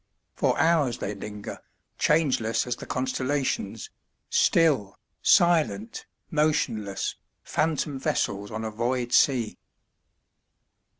For hours they linger, changeless as the constellations, still, silent, motionless, phantom vessels on a void sea.